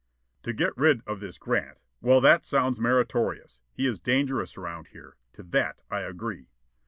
"To get rid of this Grant well, that sounds meritorious. He is dangerous around here. To that I agree."